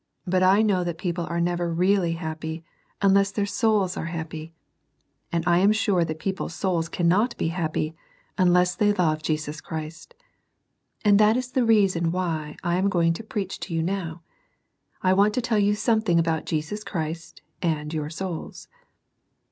But I know that people are never really happy unless their souls are happy; and I am sure that people's souls cannot be happy, unless they love Jesus Christ And that is the reason why I am going to preach to you now: I want to tell you some thing about Jesus Christ and your souls.